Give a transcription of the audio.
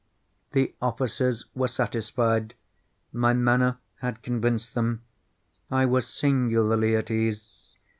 The officers were satisfied. My manner had convinced them. I was singularly at ease.